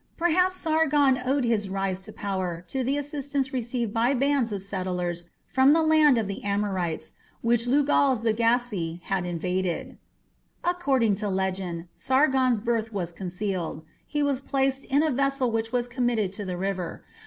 Perhaps Sargon owed his rise to power to the assistance received by bands of settlers from the land of the Amorites, which Lugal zaggisi had invaded. According to the legend, Sargon's birth was concealed. He was placed in a vessel which was committed to the river.